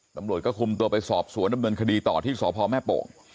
ตำรวจก็คุมตัวไปสอบสวนดำเนินคดีต่อที่สพแม่โป่ง